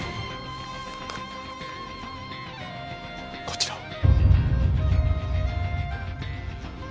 こちらを。